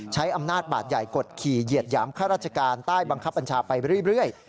ใช้อำนาจบาดใหญ่กดขี่เหยียดหยามข้าราชการใต้บังคับบัญชาไปเรื่อย